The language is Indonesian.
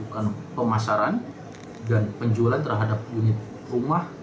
tersangka telah melakukan pemasaran dan penjualan terhadap unit rumah